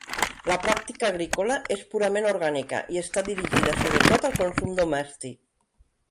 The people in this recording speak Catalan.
La pràctica agrícola és purament orgànica i està dirigida sobretot al consum domèstic.